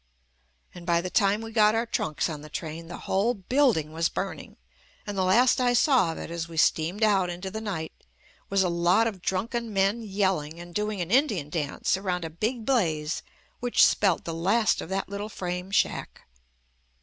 And by the time we got our trunks on the train the whole building was burning, and the last I saw of it as we steamed out into the JUST ME night was a lot of drunken men yelling, and do ing an Indian dance around a big blaze which spelt the last of that little frame shack.